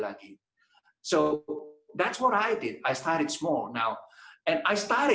jadi itu yang saya lakukan saya mulai kecil